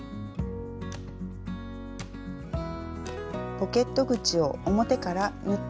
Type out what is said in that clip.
ポケット口を表から縫っておきます。